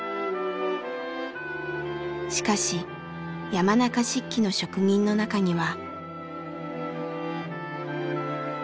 しかし山中漆器の職人の中には。